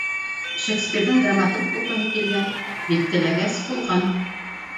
Шекспирҙың драматург булғыһы килгән, бик теләгәс, булған.